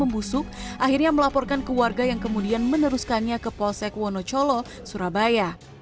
yang busuk akhirnya melaporkan ke warga yang kemudian meneruskannya ke posek wonocolo surabaya